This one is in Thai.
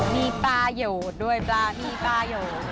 มีปลาเหยียวด้วยปลามีปลาเหยียว